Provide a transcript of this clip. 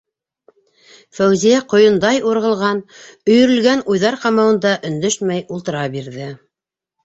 Фәүзиә ҡойондай урғылған, өйөрөлгән уйҙар ҡамауында өндәшмәй ултыра бирҙе.